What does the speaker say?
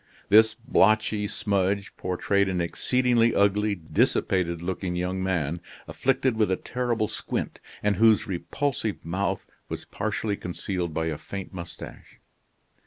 This blotchy smudge portrayed an exceedingly ugly, dissipated looking young man, afflicted with a terrible squint, and whose repulsive mouth was partially concealed by a faint mustache.